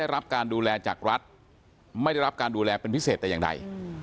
รับการดูแลจากรัฐไม่ได้รับการดูแลเป็นพิเศษแต่อย่างใด